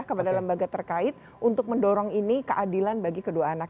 kepada lembaga terkait untuk mendorong ini keadilan bagi kedua anak